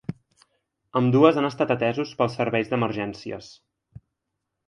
Ambdues han estat atesos pels serveis d’emergències.